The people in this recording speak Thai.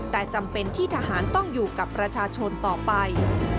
แต่จำเป็นที่ทหารต้องอยู่กับประชาชนต่อไป